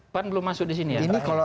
pan belum masuk disini ya